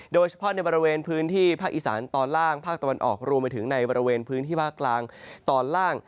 โดยเฉพาะในบริเวณพื้นที่ภาคอีสานตอนล่างภาคตะวันออกรวมไปถึงในบริเวณพื้นที่ภาคกลางตอนล่าง